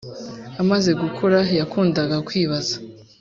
amaze gukura yakundaga kwibaza